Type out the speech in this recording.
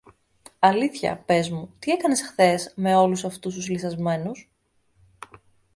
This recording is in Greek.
Αλήθεια, πες μου, τι έκανες χθες με όλους αυτούς τους λυσσασμένους;